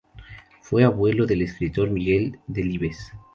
Fue abuelo del escritor Miguel Delibes.